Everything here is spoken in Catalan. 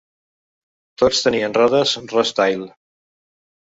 Tots tenien rodes Rostyle.